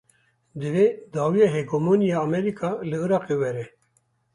Divê dawiya hegemoniya Amerîka li Iraqê were.